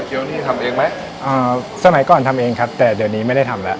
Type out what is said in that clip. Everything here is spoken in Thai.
เดี๋ยวนี่ทำเองไหมอ่าสมัยก่อนทำเองครับแต่เดี๋ยวนี้ไม่ได้ทำแล้ว